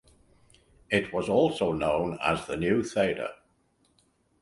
It was also known as the New Theatre.